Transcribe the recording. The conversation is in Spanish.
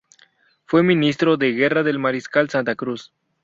Fue Ministro de Guerra del mariscal Santa Cruz.